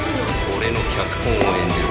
「俺の脚本を演じろ」